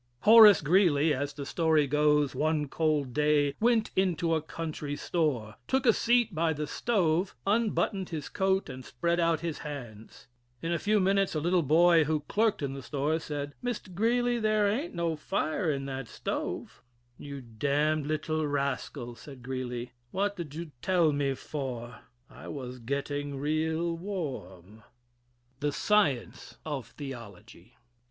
Horace Greeley, as the story goes, one cold day went into a country store, took a seat by the stove, unbuttoned his coat and spread out his hands. In a few minutes, a little boy who clerked in the store said: "Mr. Greeley, there aint no fire in that stove." "You d d little rascal," said Greeley, "What did you tell me for, I was getting real warm." III. "THE SCIENCE OF THEOLOGY."